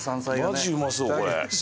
マジうまそうこれ。